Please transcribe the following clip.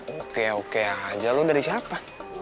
oke oke aja jalu dari siapa